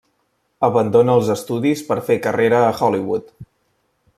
Abandona els estudis per fer carrera a Hollywood.